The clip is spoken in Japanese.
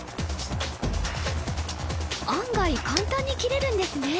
案外簡単に切れるんですね